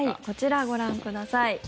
こちら、ご覧ください。